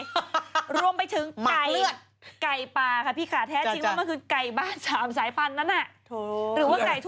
ใกล้ร่วมไปถึงไกล้ไกล้ปลาค่ะพี่ค่ะแท้จริงค่ะมันคือกลายบ้านสามสายพันธุ์นั้นน่ะ